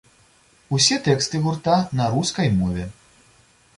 Усе тэксты гурта на рускай мове.